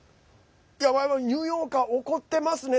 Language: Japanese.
ニューヨーカー怒ってますね。